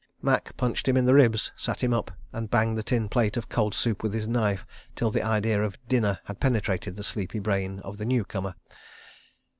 Macke punched him in the ribs, sat him up, and banged the tin plate of cold soup with his knife till the idea of "dinner" had penetrated the sleepy brain of the new corner.